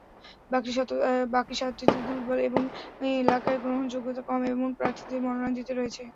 বাকি সাতটিতে দুর্বল এবং এলাকায় গ্রহণযোগ্যতা কম, এমন প্রার্থীদের মনোনয়ন দিতে হয়েছে।